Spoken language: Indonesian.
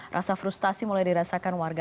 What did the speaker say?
rasa frustasi mulai dirasakan warga